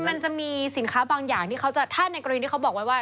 มันจะมีสินค้าบางอย่างถ้าในกรณีที่เขาบอกว่า